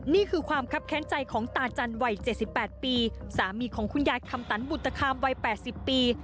นี่คือความคับแค้นใจของตาจันทร์วัย๗๘ปีสามีของคุณยายคำตันบุตคามวัย๘๐ปี